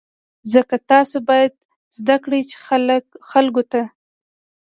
ځکه تاسو باید زده کړئ چې خلکو ته.